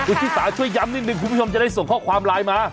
คุณชิสาช่วยย้ำนิดนึงคุณผู้ชมจะได้ส่งข้อความไลน์มา